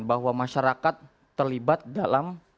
bahwa masyarakat terlibat dalam